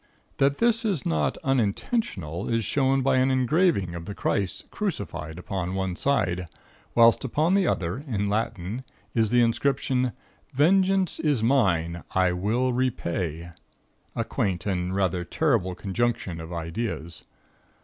That this is not unintentional is shown by an engraving of the Christ crucified upon one side, whilst upon the other, in Latin, is the inscription: 'Vengeance is Mine, I will Repay.' A quaint and rather terrible conjunction of ideas.